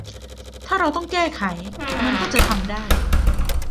ถ้าเราต้องแก้ไขมันก็จะทำได้